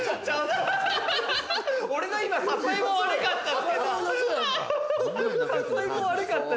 俺の今、誘いも悪かったですけれども。